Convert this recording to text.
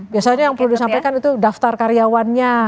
biasanya yang perlu disampaikan itu daftar karyawannya